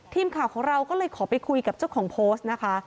ทีมข่าวของเราก็เลยขอไปคุยกับเจ้าของโพสต์นะคะ